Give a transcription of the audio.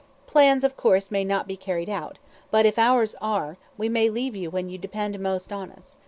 Plans, of course, may not be carried out, but if ours are, we may leave you when you depend most on us.